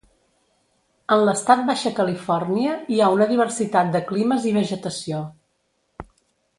En l'estat Baixa Califòrnia hi ha una diversitat de climes i vegetació.